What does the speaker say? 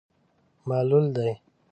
معلول دی.